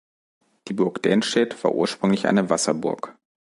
Die Burg Denstedt war ursprünglich eine Wasserburg.